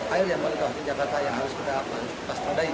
air yang melintasi jakarta yang harus kita pastandai